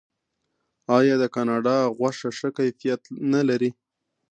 آیا د کاناډا غوښه ښه کیفیت نلري؟